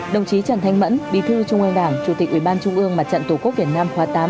đồng chí trần thanh mẫn bí thư trung ương đảng chủ tịch ủy ban trung ương mặt trận tổ quốc việt nam khóa tám